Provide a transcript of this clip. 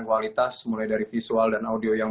kualitas mulai dari visual dan audio yang